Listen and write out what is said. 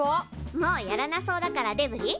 もうやらなそうだからデブリ？